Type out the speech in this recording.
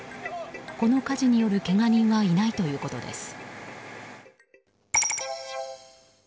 この火事によるけが人はいないということです。